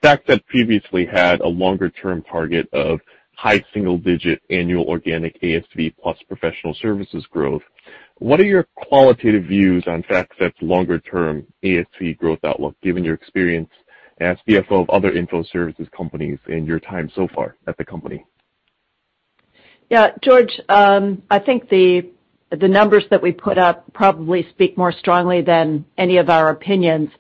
Speaker 17: FactSet previously had a longer-term target of high single digit annual organic ASV plus professional services growth. What are your qualitative views on FactSet's longer-term ASV growth outlook, given your experience as CFO of other info services companies in your time so far at the company?
Speaker 4: Yeah, George, I think the numbers that we put up probably speak more strongly than any of our opinions.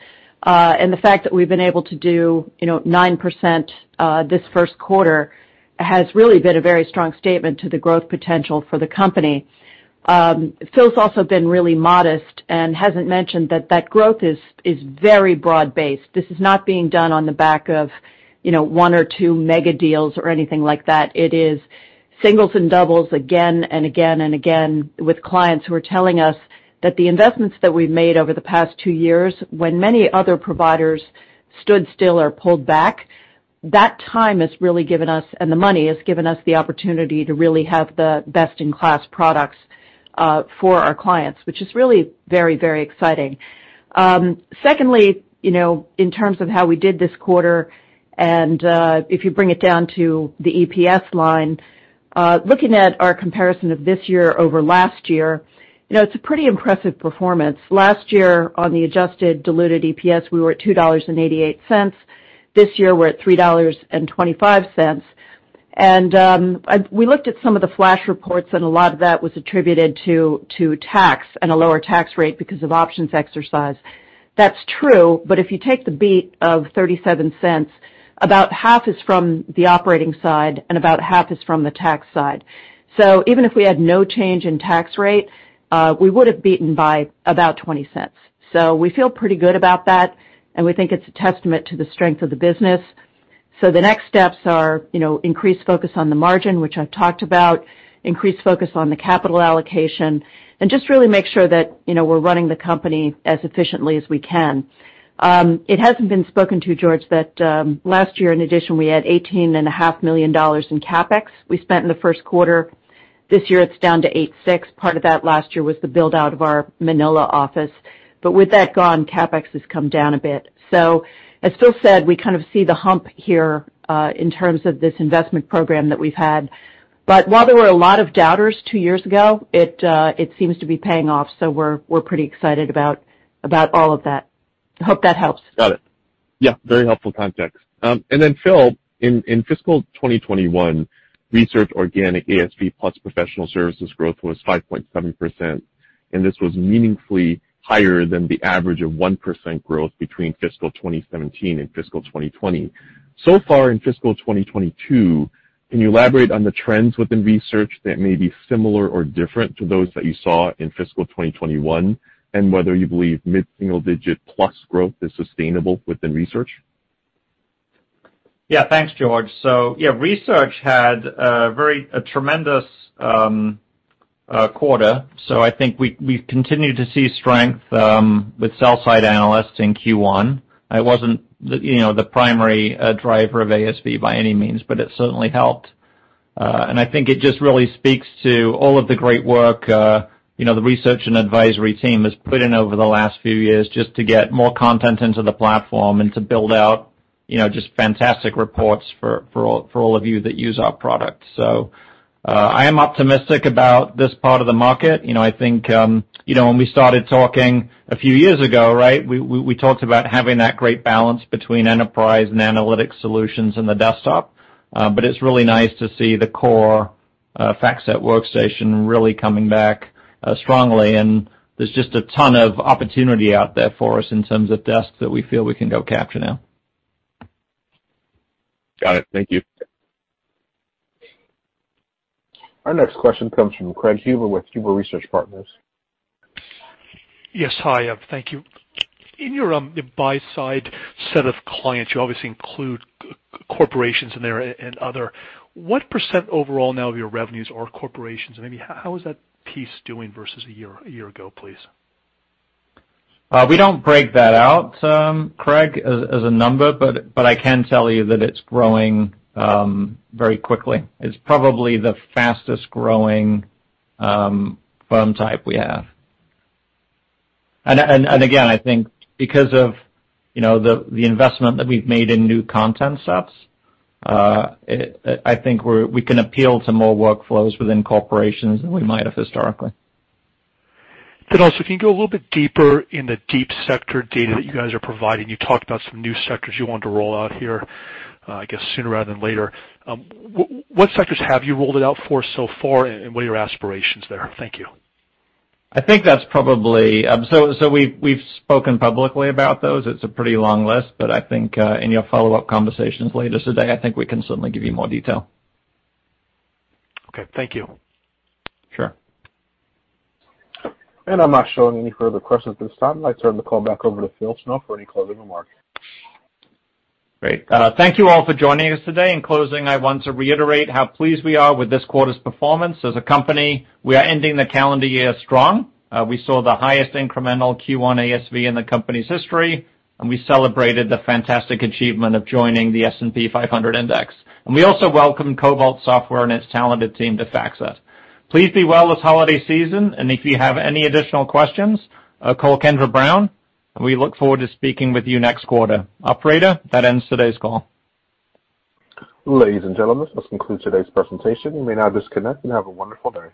Speaker 4: The fact that we've been able to do, you know, 9% this first quarter has really been a very strong statement to the growth potential for the company. Phil's also been really modest and hasn't mentioned that growth is very broad-based. This is not being done on the back of, you know, one or two mega deals or anything like that. It is singles and doubles again and again and again with clients who are telling us that the investments that we've made over the past two years, when many other providers stood still or pulled back, that time has really given us, and the money, has given us the opportunity to really have the best-in-class products for our clients, which is really very, very exciting. Secondly, you know, in terms of how we did this quarter and if you bring it down to the EPS line, looking at our comparison of this year over last year, you know, it's a pretty impressive performance. Last year on the adjusted diluted EPS, we were at $2.88. This year we're at $3.25. We looked at some of the flash reports, and a lot of that was attributed to tax and a lower tax rate because of options exercise. That's true, but if you take the beat of $0.37, about half is from the operating side and about half is from the tax side. Even if we had no change in tax rate, we would've beaten by about $0.20. We feel pretty good about that, and we think it's a testament to the strength of the business. The next steps are, you know, increased focus on the margin, which I've talked about, increased focus on the capital allocation, and just really make sure that, you know, we're running the company as efficiently as we can. It hasn't been spoken to, George, but last year, in addition, we had $18.5 million in CapEx we spent in the Q1. This year, it's down to $8.6 million. Part of that last year was the build-out of our Manila office. With that gone, CapEx has come down a bit. As Phil said, we kind of see the hump here in terms of this investment program that we've had. While there were a lot of doubters two years ago, it seems to be paying off, so we're pretty excited about all of that. Hope that helps.
Speaker 17: Got it. Yeah, very helpful context. Then Phil, in fiscal 2021, research organic ASV plus professional services growth was 5.7%, and this was meaningfully higher than the average of 1% growth between fiscal 2017 and fiscal 2020. So far in fiscal 2022, can you elaborate on the trends within research that may be similar or different to those that you saw in fiscal 2021, and whether you believe mid-single-digit + growth is sustainable within research?
Speaker 3: Yeah. Thanks, George. Research had a tremendous quarter. I think we've continued to see strength with sell-side analysts in Q1. It wasn't, you know, the primary driver of ASV by any means, but it certainly helped. I think it just really speaks to all of the great work, you know, the research and advisory team has put in over the last few years just to get more content into the platform and to build out, you know, just fantastic reports for all of you that use our products. I am optimistic about this part of the market. You know, I think, you know, when we started talking a few years ago, right, we talked about having that great balance between enterprise and analytics solutions in the desktop. It's really nice to see the core FactSet Workstation really coming back strongly. There's just a ton of opportunity out there for us in terms of desks that we feel we can go capture now.
Speaker 17: Got it. Thank you.
Speaker 1: Our next question comes from Craig Huber with Huber Research Partners.
Speaker 18: Yes. Hi, thank you. In your buy side set of clients, you obviously include C-corporations in there and other. What % overall now of your revenues are corporations? Maybe how is that piece doing versus a year ago, please?
Speaker 3: We don't break that out, Craig, as a number, but I can tell you that it's growing very quickly. It's probably the fastest growing firm type we have. Again, I think because of, you know, the investment that we've made in new content sets, I think we can appeal to more workflows within corporations than we might have historically.
Speaker 18: Also, can you go a little bit deeper in the deep sector data that you guys are providing? You talked about some new sectors you want to roll out here, I guess sooner rather than later. What sectors have you rolled it out for so far, and what are your aspirations there? Thank you.
Speaker 3: We've spoken publicly about those. It's a pretty long list, but I think in your follow-up conversations later today, I think we can certainly give you more detail.
Speaker 18: Okay. Thank you.
Speaker 3: Sure.
Speaker 1: I'm not showing any further questions at this time. I turn the call back over to Phil Snow for any closing remarks.
Speaker 3: Great. Thank you all for joining us today. In closing, I want to reiterate how pleased we are with this quarter's performance. As a company, we are ending the calendar year strong. We saw the highest incremental Q1 ASV in the company's history, and we celebrated the fantastic achievement of joining the S&P 500 index. We also welcome Cobalt Software and its talented team to FactSet. Please be well this holiday season. If you have any additional questions, call Kendra Brown, and we look forward to speaking with you next quarter. Operator, that ends today's call.
Speaker 1: Ladies and gentlemen, this concludes today's presentation. You may now disconnect and have a wonderful day.